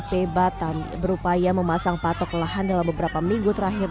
p batam berupaya memasang patok lahan dalam beberapa minggu terakhir